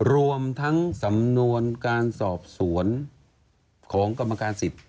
รวมทั้งสำนวนการสอบสวนของกรรมการสิทธิ